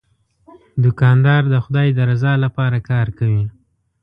دوکاندار د خدای د رضا لپاره کار کوي.